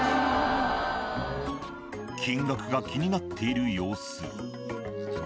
金額が気になっている様子。